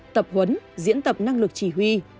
tập huấn diễn tập năng lực chỉ huy